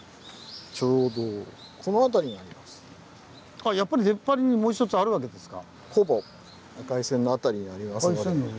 あっやっぱり出っ張りにもう一つあるわけですか。